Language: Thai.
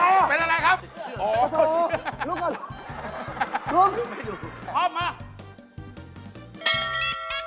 หนูน่ากลัว